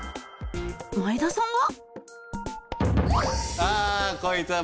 前田さんは？